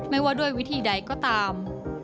ไม่ว่าด้วยวิธีใดก็ตาม